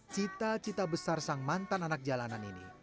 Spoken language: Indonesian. cita cita besar sang mantan anak jalanan ini